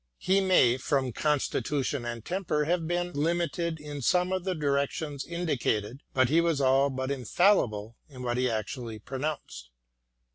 He may from constitution and temper have been limited in some of the directions indicated, but he was all but infallible in what he actually pronounced.